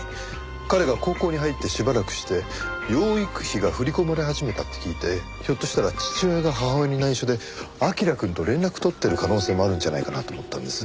彼が高校に入ってしばらくして養育費が振り込まれ始めたって聞いてひょっとしたら父親が母親に内緒で彬くんと連絡取ってる可能性もあるんじゃないかなと思ったんです。